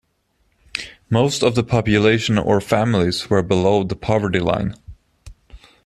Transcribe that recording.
Most of the population or families were below the poverty line.